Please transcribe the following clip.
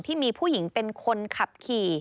ที่มีผู้หญิงเป็นคนขับขี่